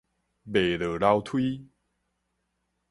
袂落樓梯